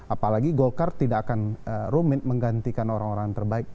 apalagi golkar tidak akan rumit menggantikan orang orang terbaik